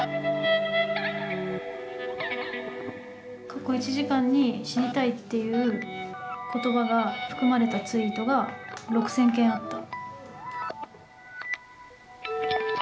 過去１時間に「死にたい」っていう言葉が含まれたツイートが６，０００件あった。